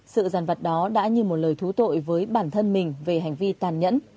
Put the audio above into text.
sự giàn vật đó đã như một lời thú tội với bản thân mình về hành vi tàn nhẫn